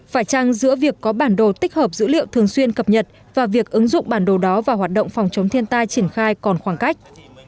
phải chăng giữa việc có bản đồ tích hợp dữ liệu thường xuyên cập nhật và việc ứng dụng bản đồ đó vào hoạt động phòng chống thiên tai triển khai còn khoảng cách